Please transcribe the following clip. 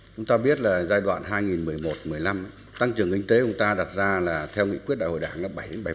chúng ta biết là giai đoạn hai nghìn một mươi một hai nghìn một mươi năm tăng trưởng kinh tế chúng ta đặt ra là theo nghị quyết đại hội đảng là bảy bảy năm